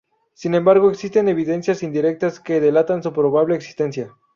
Sin embargo existen evidencias indirectas que delatan su probable existencia.